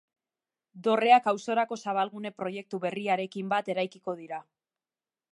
Dorreak auzorako zabalgune proiektu berriarekin bat eraikiko dira.